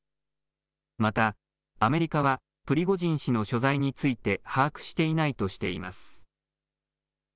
またアメリカはプリゴジン氏の所在について把握していないとしています。